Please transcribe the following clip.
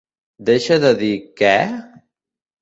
Deixa de dir "Què?"